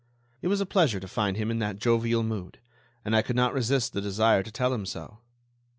It was a pleasure to find him in that jovial mood, and I could not resist the desire to tell him so.